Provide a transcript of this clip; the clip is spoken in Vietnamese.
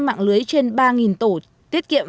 mạng lưới trên ba tổ tiết kiệm